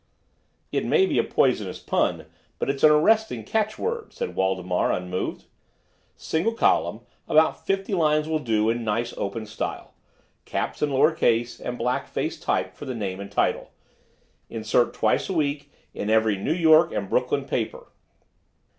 "It may be a poisonous pun, but it's an arresting catch word," said Waldemar, unmoved. "Single column, about fifty lines will do it in nice, open style. Caps and lower case, and black faced type for the name and title. Insert twice a week in every New York and Brooklyn paper."